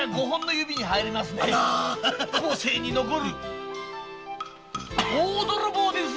後世に残る大泥棒ですよ！